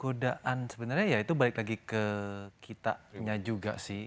godaan sebenarnya ya itu balik lagi ke kitanya juga sih